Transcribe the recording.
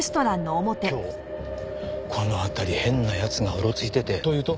今日この辺り変な奴がうろついてて。というと？